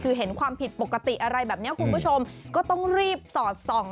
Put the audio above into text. คือเห็นความผิดปกติอะไรแบบนี้คุณผู้ชมก็ต้องรีบสอดส่อง